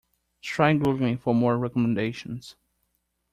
Try googling for more recommendations.